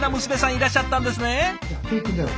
いらっしゃったんですね。